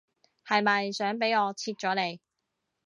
係咪想俾我切咗你